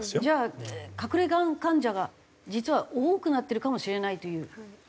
じゃあ隠れがん患者が実は多くなってるかもしれないという。